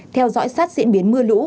theo dõi sát diễn biến mưa lũ